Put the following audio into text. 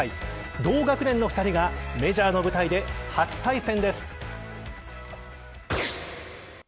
同学年の２人がメジャーの舞台で初対戦です。